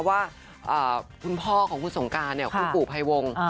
ว่าคุณพ่อของคุณสงการเนี่ยคุณปู่ภัยวง